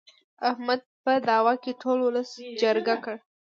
احمد په دعوه کې ټول ولس چرګه کړ.